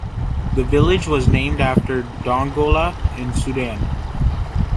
The village was named after Dongola, in Sudan.